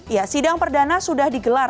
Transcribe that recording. ya sidang perdana sudah digelar